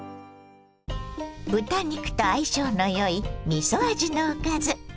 豚肉と相性の良いみそ味のおかず。